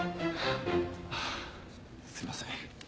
すいません。